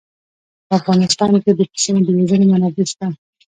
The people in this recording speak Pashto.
په افغانستان کې د پسونو د روزنې منابع شته.